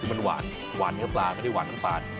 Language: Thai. คือมันหวานหวานแม้ปลาไม่ได้หวานต้องตาล